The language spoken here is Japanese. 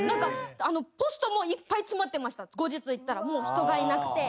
ポストもいっぱい詰まってました後日行ったらもう人がいなくて。